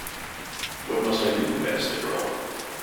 What must I do? asked the girl.